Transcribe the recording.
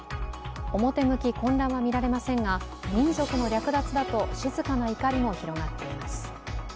表向き、混乱は見られませんが、民族の略奪だと静かな怒りも広がっています。